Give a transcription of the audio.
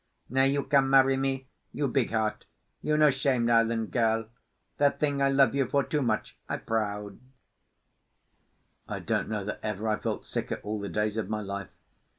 Now you come marry me. You big heart—you no 'shamed island girl. That thing I love you for too much. I proud." I don't know that ever I felt sicker all the days of my life.